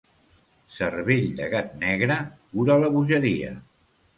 Cervell de gat negre cura la bogeria.